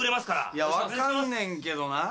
いや分かんねんけどなぁ。